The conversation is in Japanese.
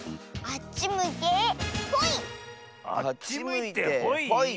あっちむいてほい？